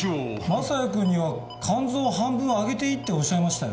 「雅也君には肝臓を半分あげていいっておっしゃいましたよ」